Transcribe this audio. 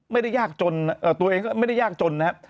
ยากจนตัวเองก็ไม่ได้ยากจนนะครับ